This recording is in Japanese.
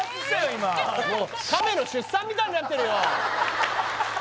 今亀の出産みたいになってるよ